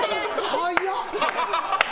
早っ！